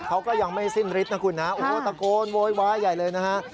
เขาก็ยังไม่สิ้นฤทธินะคุณนะโอ้โหตะโกนโวยวายใหญ่เลยนะฮะ